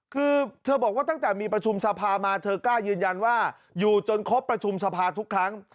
คือเธอบอกว่าตั้งแต่มีประชุมสภามาเธอกล้ายืนยันว่าอยู่จนครบประชุมสภาทุกครั้ง